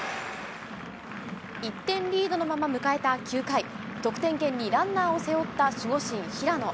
１点リードのまま迎えた９回、得点圏にランナーを背負った守護神、平野。